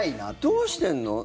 どうしてんの？